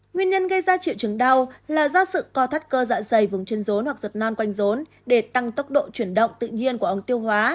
nguyên nhân gây ra triệu chứng đau là do sự co thắt cơ dạ dày vùng chân rốn hoặc giật non quanh rốn để tăng tốc độ chuyển động tự nhiên của ống tiêu hóa